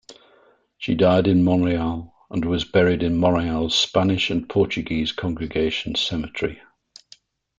She died in Montreal and was buried in Montreal's Spanish and Portuguese Congregation Cemetery.